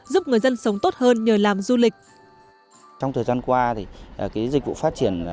giúp người dân sống tốt hơn nhờ làm du lịch